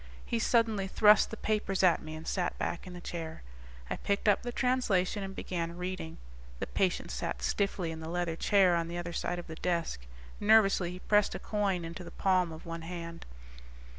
He suddenly thrust the papers at me and sat back in the chair. I picked up the translation and began reading. The patient sat stiffly in the leather chair on the other side of the desk. Nervously he pressed a coin into the palm of one hand.